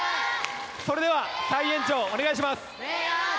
それでは再延長お願いします。